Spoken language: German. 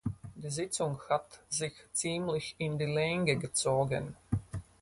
Die Sitzung hat sich ziemlich in die Länge gezogen.